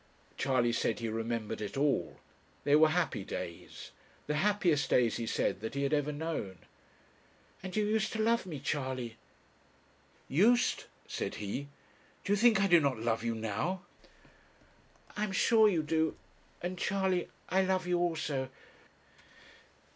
Charley said he remembered it all they were happy days; the happiest days, he said, that he had ever known. 'And you used to love me, Charley?' 'Used!' said he, 'do you think I do not love you now?' 'I am sure you do. And, Charley, I love you also.